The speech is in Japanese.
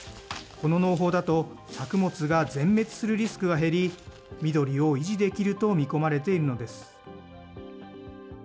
この農法だと、作物が全滅するリスクが減り、緑を維持できると見込まれているのです。